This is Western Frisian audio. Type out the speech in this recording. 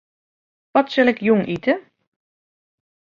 Wat sil ik jûn ite?